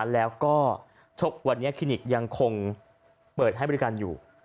แล้วก็วันนี้คลินิกยังคงเปิดให้บริการอยู่